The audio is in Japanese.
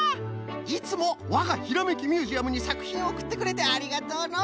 いつもわが「ひらめきミュージアム」にさくひんをおくってくれてありがとうの！